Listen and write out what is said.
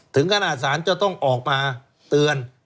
ถึงขนาดสารจะต้องออกมาเตือน